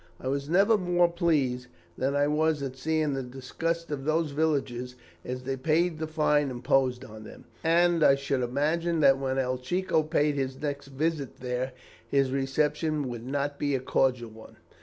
I was never more pleased than I was at seeing the disgust of those villagers as they paid the fine imposed on them, and I should imagine that when El Chico paid his next visit there, his reception would not be a cordial one.